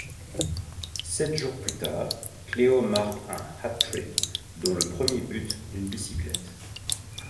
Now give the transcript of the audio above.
Sept jours plus tard, Cléo marque un hat-trick, dont le premier but d'une bicyclette.